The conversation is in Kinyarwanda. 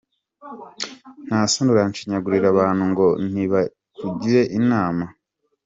nta soni urashinyagurira abantu ngo “nibakugire inama” !